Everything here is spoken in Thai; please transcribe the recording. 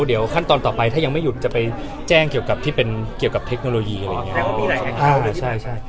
เดี๋ยวขั้นตอนต่อไปถ้ายังไม่หยุดจะไปแจ้งเกี่ยวกับที่เป็นเกี่ยวกับเทคโนโลยีอะไรอย่างนี้